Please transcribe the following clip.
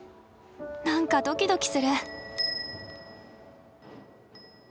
何かドキドキする！